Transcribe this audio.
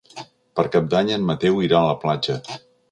Per Cap d'Any en Mateu irà a la platja.